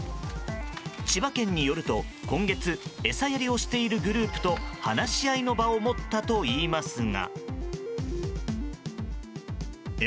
千葉県によると、今月餌やりをしているグループと話し合いの場を持ったといいますが。